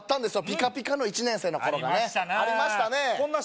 ピカピカの１年生の頃がねありましたな